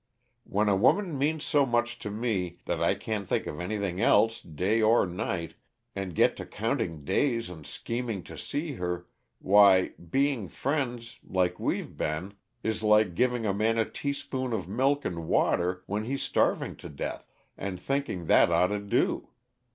When a woman means so much to me that I can't think of anything else, day or night, and get to counting days and scheming to see her why being friends like we've been is like giving a man a teaspoon of milk and water when he's starving to death, and thinking that oughta do.